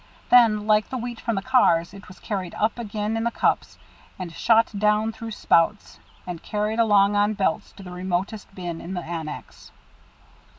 Then, like the wheat from the cars, it was caught up again in the cups, and shot down through spouts, and carried along on belts to the remotest bins in the annex.